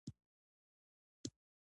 دلته پوښتنه کیږي چې ایا ځمکه اومه ماده ده؟